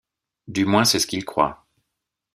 Du moins, c'est ce qu'il croit.